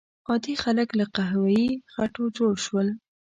عادي خلک له قهوه یي خټو جوړ شول.